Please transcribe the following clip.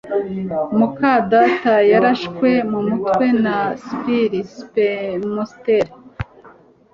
muka data yarashwe mu mutwe na sniper. (Spamster)